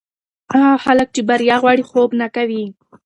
هغه خلک چې بریا غواړي، خوب نه کوي.